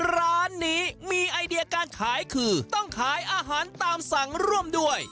ร้านนี้มีไอเดียการขายคือต้องขายอาหารตามสั่งร่วมด้วย